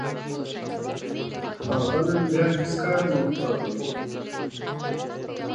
هغه نن بيا هيڅ کار نه و، کړی.